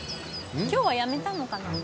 今日はやめたのかな？